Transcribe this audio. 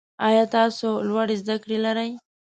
ایا تاسو لوړې زده کړې لرئ؟